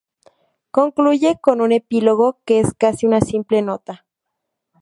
Concluye con un epílogo que es casi una simple nota.